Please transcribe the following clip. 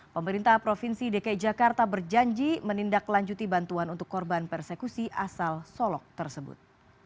pemerintah provinsi dki jakarta berjanji menindaklanjuti bantuan untuk korban persekusi asal solok tersebut